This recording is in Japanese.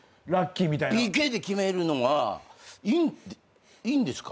ＰＫで決めるのはいいんですか？